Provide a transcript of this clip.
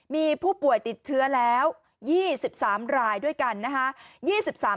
มีผู้ป่วยติดเชื้อแล้ว๒๓รายด้วยกันนะคะ